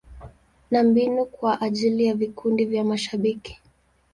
Na mbili kwa ajili ya vikundi vya mashabiki.